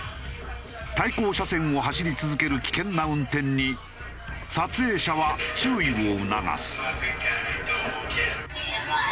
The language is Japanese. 対向車線を走り続ける危険な運転に撮影者は注意を促す。